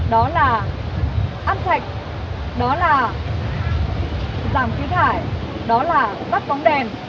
đó là ăn thạch đó là giảm khí thải đó là bắt bóng đèn